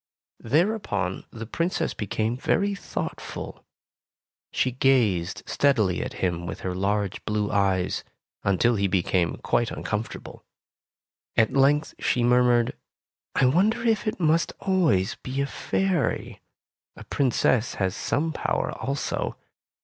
Thereupon the Princess became very thoughtful. She gazed steadily at him with her large blue eyes, until he became Tales of Modern Germany 6i quite uncomfortable. At length she mur mured, ''I wonder if it must always be a fairy. A princess has some power, also.